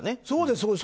そうです。